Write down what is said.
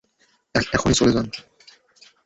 এখনই চলে যান।